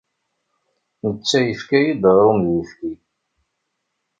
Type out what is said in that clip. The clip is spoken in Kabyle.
Netta yefka-iyi-d aɣrum d uyefki.